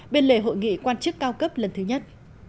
bên lề hội nghị quan chức cao cấp lần thứ nhất